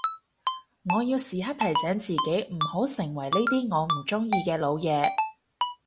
我要時刻提醒自己唔好成為呢啲我唔中意嘅老嘢